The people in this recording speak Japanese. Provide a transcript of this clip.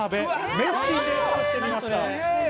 メスティンで作ってみました。